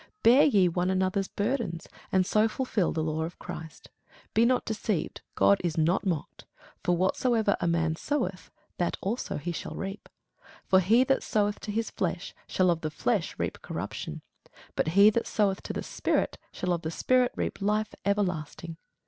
Bear ye one another's burdens, and so fulfil the law of Christ. Be not deceived; God is not mocked: for whatsoever a man soweth, that shall he also reap. For he that soweth to his flesh shall of the flesh reap corruption; but he that soweth to the Spirit shall of the Spirit reap life everlasting.